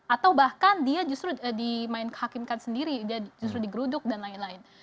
atau bahkan dia justru dimain kehakimkan sendiri dia justru digeruduk dan lain lain